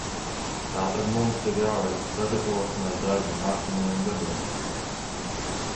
Tātad mums ir jāveic sagatavošanās darbi nākamajiem gadiem.